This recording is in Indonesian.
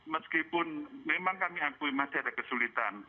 meskipun memang kami akui masih ada kesulitan